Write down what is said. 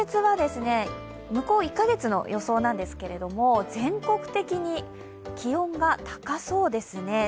向こう１カ月の予想なんですけど、全国的に気温が高そうですね。